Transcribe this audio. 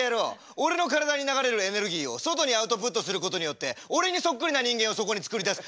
俺の体に流れるエネルギーを外にアウトプットすることによって俺にそっくりな人間をそこに作り出す。